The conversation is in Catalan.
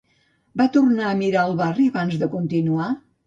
Va tornar a mirar el barri abans de continuar?